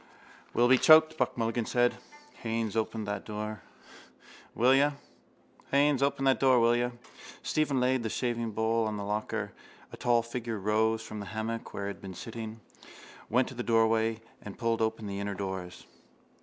—We'll be choked, Buck Mulligan said. Haines, open that door, will you? Stephen laid the shavingbowl on the locker. A tall figure rose from the hammock where it had been sitting, went to the doorway and pulled open the inner doors.